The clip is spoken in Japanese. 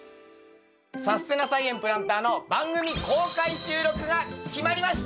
「さすてな菜園プランター」の番組公開収録が決まりました！